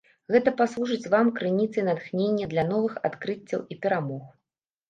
Гэта паслужыць вам крыніцай натхнення для новых адкрыццяў і перамог.